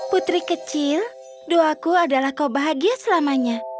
putri kecil doaku adalah kau bahagia selamanya